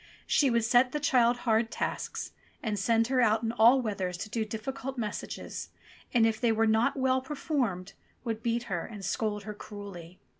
She would set the child hard tasks, and send her out in all weathers to do difficult messages, and if they were not well performed would beat her and scold her cruelly.